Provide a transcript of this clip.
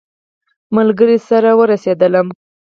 ملګري سره ورسېدلم.